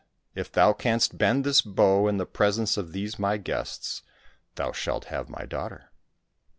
If thou canst bend this bow in the presence of these my guests, thou shalt have my daughter